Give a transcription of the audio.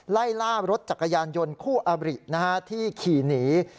ไล่ล่ารถจักรยานยนต์คู่อบริที่ขี่หนี